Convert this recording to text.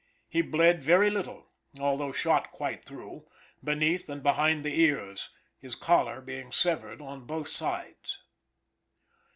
He bled very little, although shot quite through, beneath and behind the ears, his collar being severed on both sides.